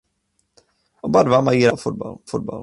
Oba dva mají rádi golf a fotbal.